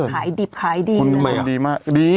ขายดีบขายดี